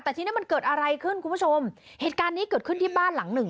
แต่ทีนี้มันเกิดอะไรขึ้นคุณผู้ชมเหตุการณ์นี้เกิดขึ้นที่บ้านหลังหนึ่ง